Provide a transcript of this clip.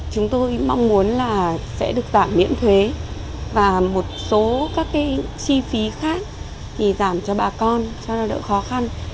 chúng tôi mong muốn là sẽ được giảm miễn thuế và một số các chi phí khác thì giảm cho bà con cho lao động khó khăn